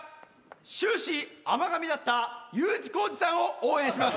終始甘がみだったＵ字工事さんを応援します。